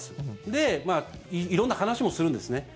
で、色んな話もするんですね。